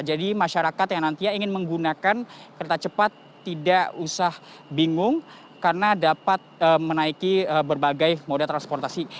jadi masyarakat yang nantinya ingin menggunakan kereta cepat tidak usah bingung karena dapat menaiki berbagai mode transportasi